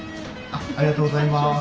ありがとうございます。